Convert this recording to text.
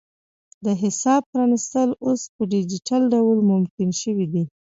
د حساب پرانیستل اوس په ډیجیټل ډول ممکن شوي دي.